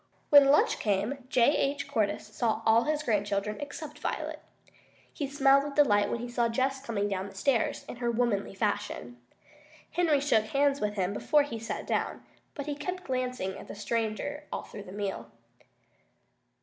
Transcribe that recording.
When lunch time came J. H. Cordyce saw all his grandchildren except Violet. He smiled with delight when he saw Jess coming down the stairs in her womanly fashion. Henry shook hands with him before he sat down, but he kept glancing at the stranger all through the meal.